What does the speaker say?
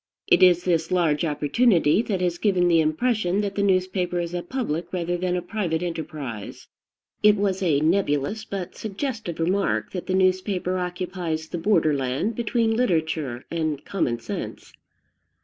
It is this large opportunity that has given the impression that the newspaper is a public rather than a private enterprise. It was a nebulous but suggestive remark that the newspaper occupies the borderland between literature and common sense.